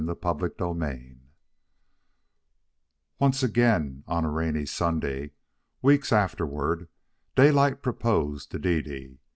CHAPTER XIX Once again, on a rainy Sunday, weeks afterward, Daylight proposed to Dede.